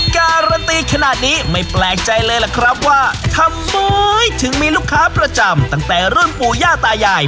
การันตีขนาดนี้ไม่แปลกใจเลยล่ะครับว่าทำไมถึงมีลูกค้าประจำตั้งแต่รุ่นปู่ย่าตายาย